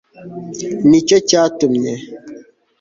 Ni cyo cyatumye